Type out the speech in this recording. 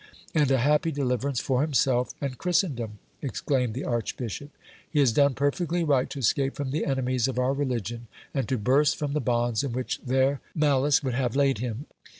And a happy deliverance for himself and Chris tendom ! exclaimed the archbishop. He has done perfectly right to escape from the enemies of our religion, and to burst from the bonds in which their malice would have laid him.